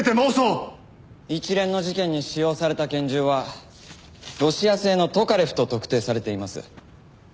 一連の事件に使用された拳銃はロシア製のトカレフと特定されています。